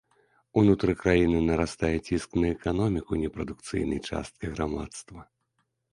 Унутры краіны нарастае ціск на эканоміку непрадукцыйнай часткі грамадства.